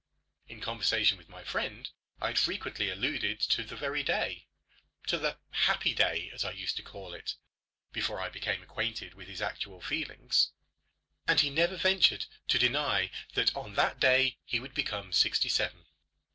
In conversation with my friend I had frequently alluded to the very day, to the happy day, as I used to call it before I became acquainted with his actual feelings, and he never ventured to deny that on that day he would become sixty seven.